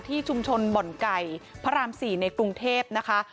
ที่ชุมชนบ่อนไก่พระราม๔ในกรุงเทพนะคะ